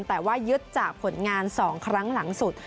แต่ว่ายึดจากผลงาน๒ครั้งหลังสุด